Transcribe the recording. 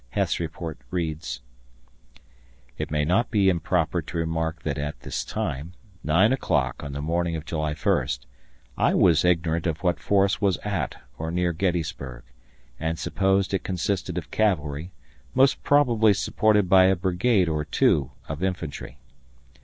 Heth's report reads: It may not be improper to remark that at this time nine o'clock on the morning of July 1st I was ignorant what force was at or near Gettysburg, and supposed it consisted of cavalry, most probably supported by a brigade or two of infantry.